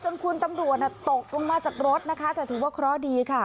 คุณตำรวจตกลงมาจากรถนะคะแต่ถือว่าเคราะห์ดีค่ะ